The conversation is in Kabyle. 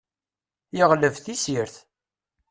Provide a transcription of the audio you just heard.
Yeɣleb tisirt.